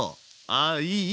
ああいい。